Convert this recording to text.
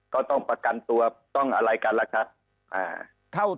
ก็ต้องประกันตัวต้องอะไรกันล่ะครับ